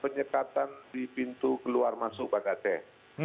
penyekatan di pintu keluar masuk banda aceh